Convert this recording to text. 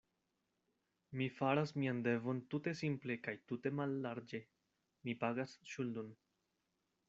Mi faras mian devon tute simple kaj tute mallarĝe; mi pagas ŝuldon.